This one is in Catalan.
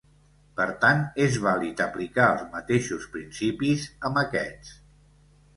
Per tant, és vàlid aplicar els mateixos principis amb aquests.